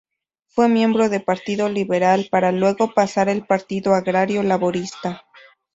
Fue miembro del Partido Liberal, para luego pasar al Partido Agrario Laborista.